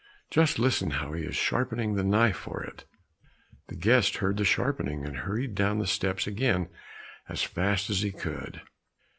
Just listen how he is sharpening the knife for it!" The guest heard the sharpening, and hurried down the steps again as fast as he could.